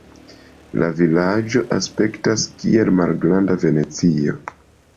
La vilaĝo aspektas kiel malgranda Venecio.